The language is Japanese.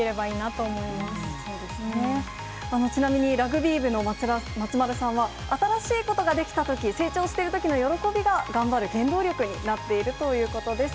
ちなみにラグビー部の松丸さんは、新しいことができたとき、成長してるときの喜びが頑張る原動力になっているということです。